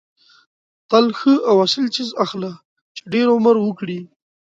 تل ښه او اصیل څیز اخله چې ډېر عمر وکړي.